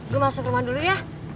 gue masuk rumah dulu ya